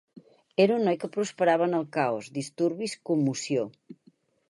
Era un noi que prosperava en el caos, disturbis, commoció.